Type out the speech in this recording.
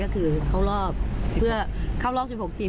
ก็คือเข้ารอบ๑๖ทีม